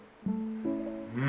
うん。